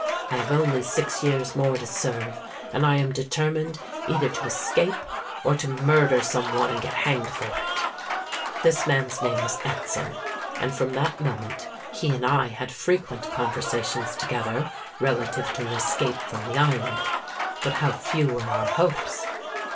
I have only six years more to serve; and I am determined either to escape, or to murder some one and get hanged for it.'—This man's name was Anson; and from that moment he and I had frequent conversations together relative to an escape from the island. But how few were our hopes?